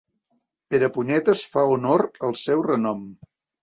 Perepunyetes fa honor al seu renom.